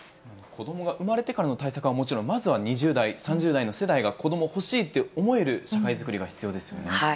子どもが産まれてからの対策はもちろん、まずは２０代、３０代の世代が子どもを欲しいと思える社会づくりが必要ですよね。